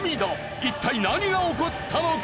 一体何が起こったのか？